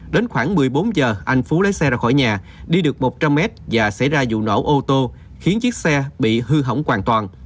đến khoảng một mươi bốn giờ anh phú lấy xe ra khỏi nhà đi được một trăm linh m và xảy ra vụ nổ ô tô khiến chiếc xe bị hư hỏng hoàn toàn